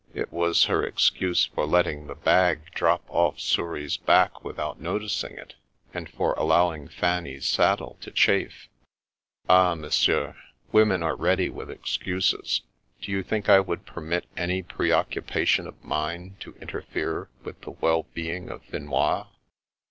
It was her excuse for letting the bag drop off Souris' back without noticing it, and for allowing Fanny's saddle to chafe." "Ah, Monsieur, women are ready with excuses. Do you think I would permit any preoccupation of mine to interfere with the well being of Finois ?